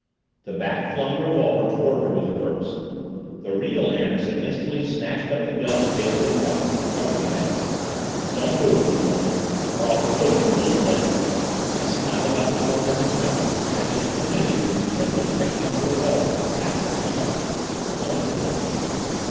The Bat flung the revolver toward her with a curse. The real Anderson instantly snatched up the gun that Bailey had dropped and covered the Bat. "Don't move!" he warned, "or I'll fill you full of lead!" He smiled out of the corner of his mouth at Miss Cornelia who was primly picking up the revolver that the Bat had flung at her her own revolver.